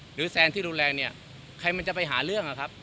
แซนที่รุนแรงเนี่ยใครมันจะไปหาเรื่องอะครับ